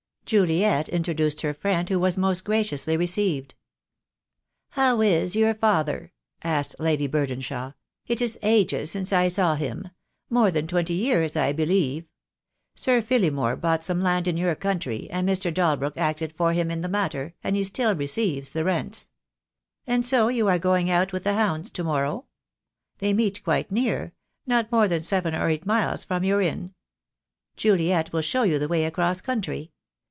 Juliet introduced her friend, who was most graciously received. "How is your father?" asked Lady Burdenshaw. "It is ages since I saw him — more than twenty years I be lieve. Sir Phillimore bought some land in your county, and Mr. Dalbrook acted for him in the matter, and he still receives the rents. And so you are going out with the hounds to morrow? They meet quite near — not more than seven or eight miles from your inn. Juliet will show you the way across country.